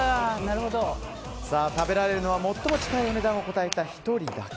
食べられるのは最も近いお値段を答えた１人だけ。